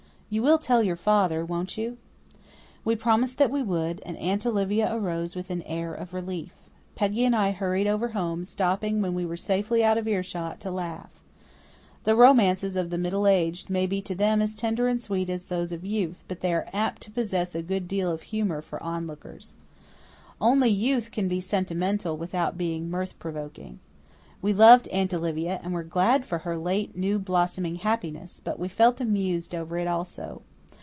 You will tell your father, won't you?" We promised that we would, and Aunt Olivia arose with an air of relief. Peggy and I hurried over home, stopping, when we were safely out of earshot, to laugh. The romances of the middle aged may be to them as tender and sweet as those of youth, but they are apt to possess a good deal of humour for onlookers. Only youth can be sentimental without being mirth provoking. We loved Aunt Olivia and were glad for her late, new blossoming happiness; but we felt amused over it also.